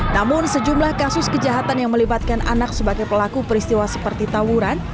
namun sejumlah kasus kejahatan yang melibatkan anak sebagai pelaku peristiwa seperti tawuran